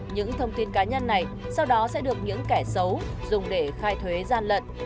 những thông tin cá nhân này sau đó sẽ được những kẻ xấu dùng để khai thuế gian lận